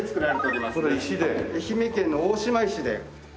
愛媛県の大島石で。